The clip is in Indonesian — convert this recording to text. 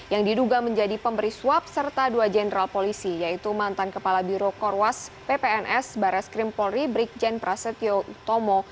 yang diduga menjadi pemberi suap serta dua jenderal polisi yaitu mantan kepala biro korwas ppns bares krim polri brikjen prasetyo utomo